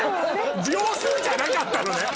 秒数じゃなかったのね。